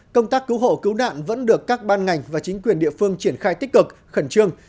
công tác cứu hộ cứu nạn vẫn được các ban ngành và chính quyền địa phương triển khai tích cực khẩn trương